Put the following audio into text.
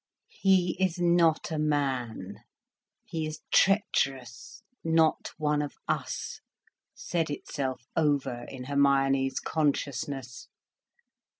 "He is not a man, he is treacherous, not one of us," said itself over in Hermione's consciousness.